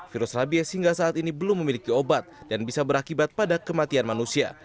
virus rabies hingga saat ini belum memiliki obat dan bisa berakibat pada kematian manusia